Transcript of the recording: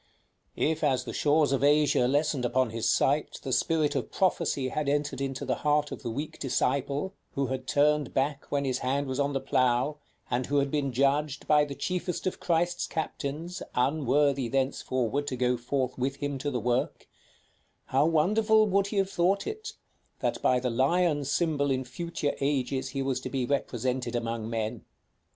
If as the shores of Asia lessened upon his sight, the spirit of prophecy had entered into the heart of the weak disciple who had turned back when his hand was on the plough, and who had been judged, by the chiefest of Christ's captains, unworthy thenceforward to go forth with him to the work, how wonderful would he have thought it, that by the lion symbol in future ages he was to be represented among men!